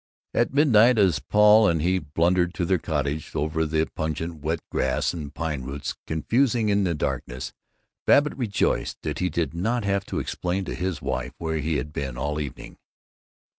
At midnight, as Paul and he blundered to their cottage over the pungent wet grass, and pine roots confusing in the darkness, Babbitt rejoiced that he did not have to explain to his wife where he had been all evening.